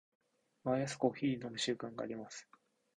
毎朝コーヒーを飲む習慣があります。